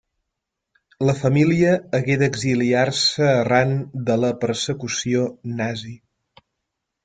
La família hagué d'exiliar-se arran de la persecució nazi.